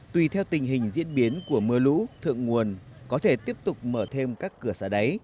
tùy theo tình hình diễn biến của mưa lũ thượng nguồn có thể tiếp tục mở thêm các cửa xả đáy